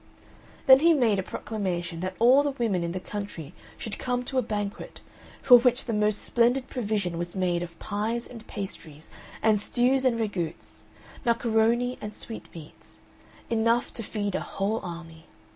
Then he made a proclamation that all the women in the country should come to a banquet, for which the most splendid provision was made of pies and pastries, and stews and ragouts, macaroni and sweetmeats enough to feed a whole army.